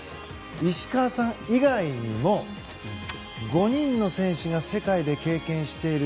石川さん以外にも５人の選手が世界で経験している。